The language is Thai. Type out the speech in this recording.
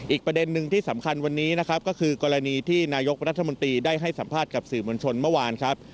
อีกประเด็นหนึ่งที่สำคัญวันนี้นะครับก็คือกรณีที่นายกรัฐมนตรีได้ให้สัมภาษณ์กับสื่อมวลชนเมื่อวานครับ